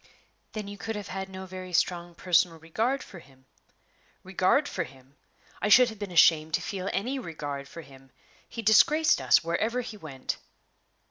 "Then you could have had no very strong personal regard for him?" "Regard for him! I should have been ashamed to feel any regard for him. He disgraced us wherever he went."